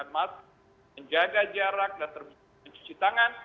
menjaga jarak dan cuci tangan